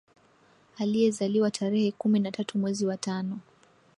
Aliyezaliwa tarehe kumi na tatu mwezi wa tano